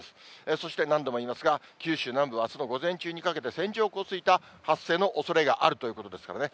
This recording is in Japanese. そして何度も言いますが、九州南部はあすの午前中にかけて、線状降水帯発生のおそれがあるということですからね。